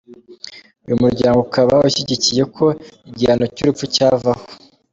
Uyu muryango ukaba ushyigikiye ko igihano cy'urupfu cyavaho.